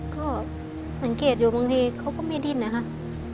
ก็สังเกตอยู่บางทีเขาก็ไม่ดิ้นนะครับ